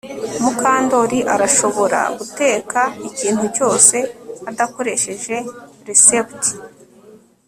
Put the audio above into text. Mukandoli arashobora guteka ikintu cyose adakoresheje resept